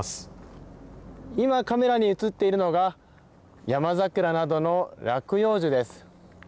今、カメラに写っているのがヤマザクラなどの落葉樹です。